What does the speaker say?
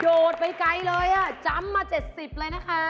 ไปไกลเลยอ่ะจำมา๗๐เลยนะคะ